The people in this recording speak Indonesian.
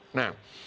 itu masih pada hidup